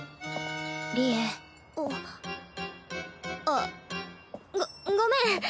あっごごめん。